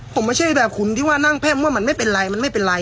ผมไม่ใช่แบบคุณที่ว่านั่งแพ่มว่ามันไม่เป็นไรมันไม่เป็นไร